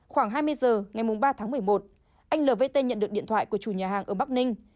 khoảng hai mươi giờ ngày ba tháng một mươi một anh lvt nhận được điện thoại của chủ nhà hàng ở bắc ninh